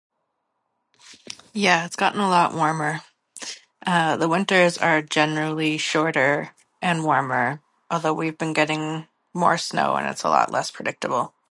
Yeah it's gotten a lot warmer. Uh, the winters are generally shorter and warmer, although we've been getting more snow and it's a lot less predictable.